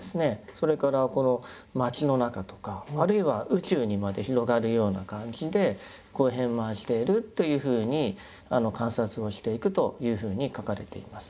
それから町の中とかあるいは宇宙にまで広がるような感じで遍満しているというふうに観察をしていくというふうに書かれています。